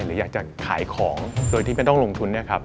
หรืออยากจะขายของโดยที่ไม่ต้องลงทุน